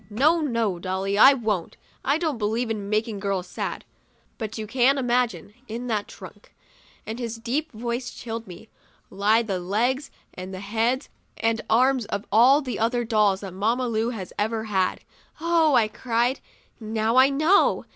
" No, no, Dolly, I won't. I don't believe in making girls sad. But you can imagine ! In that trunk," and his deep voice chilled me, " lie the legs and heads and arms of all the dolls that Mamma Lu has ever had." 'Oh," I cried, 'now I know!